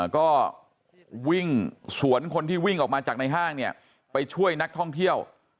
ก็วิ่งสวนคนที่วิ่งออกมาจากในห้างไปช่วยนักท่องเที่ยว